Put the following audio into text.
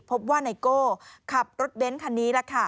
พบว่าไนโก้ขับรถเบนซ์คันนี้แล้วค่ะ